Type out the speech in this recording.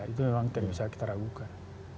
itu memang tidak bisa kita ragukan